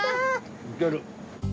いける！